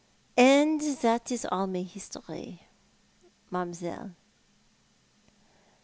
And that is all my history, mam'selle."